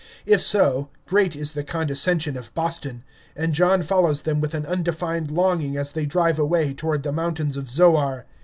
If so, great is the condescension of Boston; and John follows them with an undefined longing as they drive away toward the mountains of Zoar.